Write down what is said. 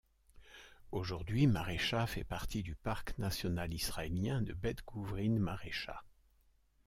Aujourd'hui, Marésha fait partie du parc national israélien de Beth Guvrin-Marésha.